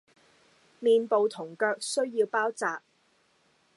面部同腳需要包紥